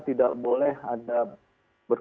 tidak boleh ada berkumpulan